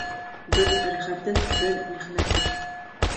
Бер рәхәте, бер михнәте.